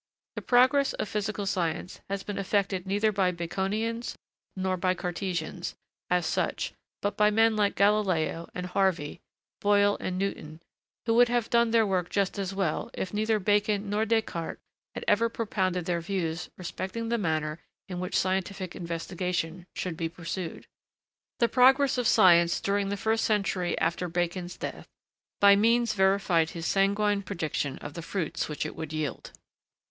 The progress of physical science has been effected neither by Baconians nor by Cartesians, as such, but by men like Galileo and Harvey, Boyle and Newton, who would have done their work just as well if neither Bacon nor Descartes had ever propounded their views respecting the manner in which scientific investigation should be pursued. [Sidenote: For a time the progress without fruits.] The progress of science, during the first century after Bacon's death, by means verified his sanguine prediction of the fruits which it would yield.